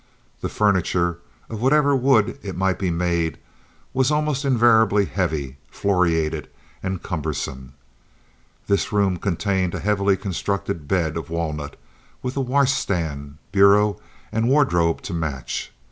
The furniture, of whatever wood it might be made, was almost invariably heavy, floriated, and cumbersome. This room contained a heavily constructed bed of walnut, with washstand, bureau, and wardrobe to match.